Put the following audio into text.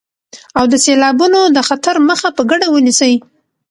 او د سيلابونو د خطر مخه په ګډه ونيسئ.